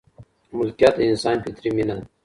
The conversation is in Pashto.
ملکیت د انسان فطري مینه ده.